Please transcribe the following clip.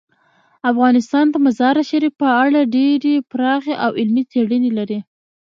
افغانستان د مزارشریف په اړه ډیرې پراخې او علمي څېړنې لري.